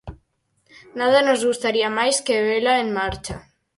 Nada nos gustaría máis que vela en marcha.